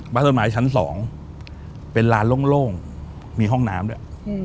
บ้านต้นไม้ชั้น๒เป็นลานโล่งมีห้องน้ำด้วย